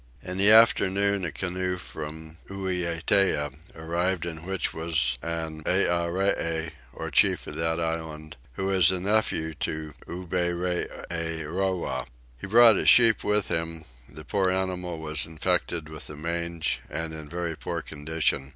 In the afternoon a canoe from Ulietea arrived in which was an Earee or chief of that island, who is a nephew to Oberreeroah. He brought a sheep with him: the poor animal was infected with the mange and in very poor condition.